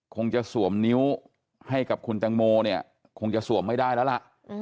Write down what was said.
คงจะสวมนิ้วให้กับคุณตังโมเนี่ยคงจะสวมไม่ได้แล้วล่ะ